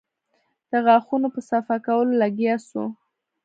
د غاښونو په صفا کولو لگيا سو.